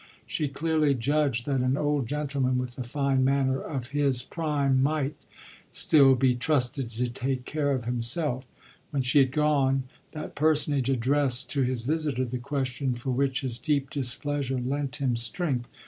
She clearly judged that an old gentleman with the fine manner of his prime might still be trusted to take care of himself. When she had gone that personage addressed to his visitor the question for which his deep displeasure lent him strength.